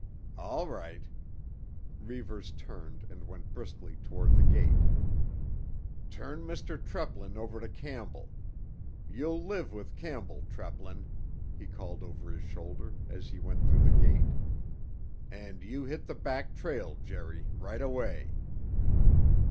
"All right." Reivers turned and went briskly toward the gate. "Turn Mr. Treplin over to Campbell. You'll live with Campbell, Treplin," he called over his shoulder, as he went through the gate. "And you hit the back trail, Jerry, right away."